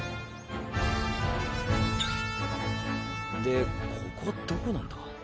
でここどこなんだ？